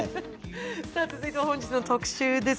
続いては本日の特集です。